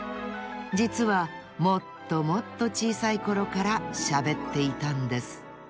じつはもっともっとちいさいころからしゃべっていたんです。